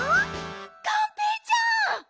がんぺーちゃん！